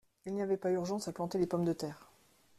Il n’y avait pas urgence à planter les pommes de terre.